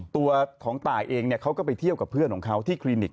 ตัวของตายเองเขาก็ไปเที่ยวกับเพื่อนของเขาที่คลินิก